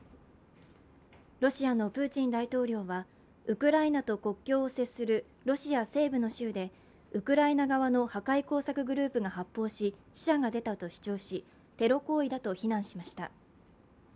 ロシアのプーチン大統領はウクライナと国境を接するロシア西部の州で、ウクライナ側の破壊工作グループが発砲し、死者が出たと主張しテロ行為だと非難しました。